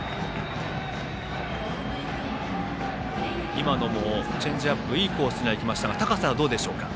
今のもチェンジアップいいコースにはいきましたが高さはどうでしょうか。